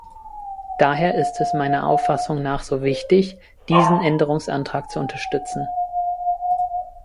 Daher ist es meiner Auffassung nach so wichtig, diesen Änderungsantrag zu unterstützen.